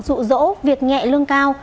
dụ dỗ việc nhẹ lương cao